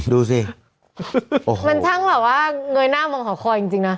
ดูสิมันช่างแบบว่าเงยหน้ามองหอคอยจริงนะ